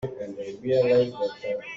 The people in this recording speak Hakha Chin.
Inn ka lawi in kaan chawnh te lai.